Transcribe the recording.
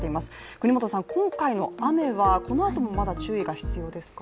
國本さん、今回の雨はこのあともまだ注意が必要ですか？